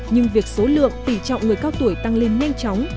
nhưng việc số lượng tỷ trọng người cao tuổi tăng lên nhanh chóng